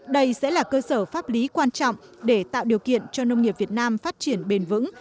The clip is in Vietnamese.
đây sẽ là cơ sở pháp lý quan trọng để tạo điều kiện cho nông nghiệp việt nam phát triển bền vững